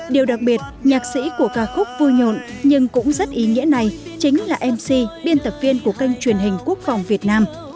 điều đặc biệt nhạc sĩ của ca khúc vui nhộn nhưng cũng rất ý nghĩa này chính là mc biên tập viên của kênh truyền hình quốc phòng việt nam